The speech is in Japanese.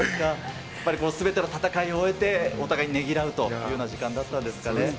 やっぱりこのすべての戦いを終えて、お互いにねぎらうというような時間だったんですかね。